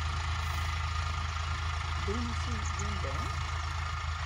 Binne sy jim bern?